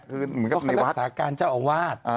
คือเหมือนกับในวัดก็คือรักษาการเจ้าอาวาส